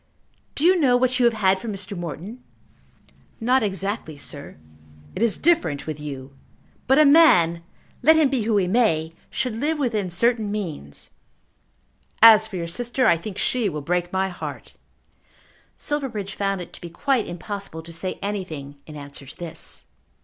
Do you know what you have had from Mr. Morton?" "Not exactly, sir." "It is different with you. But a man, let him be who he may, should live within certain means. As for your sister, I think she will break my heart." Silverbridge found it to be quite impossible to say anything in answer to this.